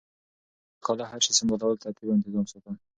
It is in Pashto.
د کاله هر شی سمبالول ترتیب او انتظام ساتل